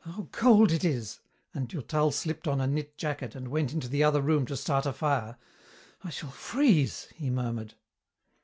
"How cold it is!" and Durtal slipped on a knit jacket and went into the other room to start a fire. "I shall freeze!" he murmured.